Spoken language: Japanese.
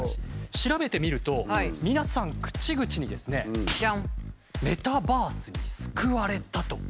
調べてみると皆さん口々にですね「メタバースに救われた」と言うんです。